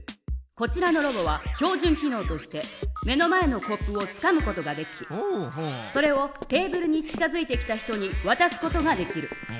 こちらのロボは標じゅん機のうとして目の前のコップをつかむことができそれをテーブルに近づいてきた人にわたすことができる。